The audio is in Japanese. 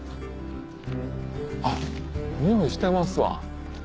あっにおいしてますわ。